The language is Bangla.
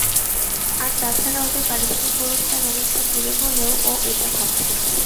আর তা ছাড়া ওদের পরিবারিক গোরস্থান অনেকটা দূরে বলেও ও এটা ভাবছে।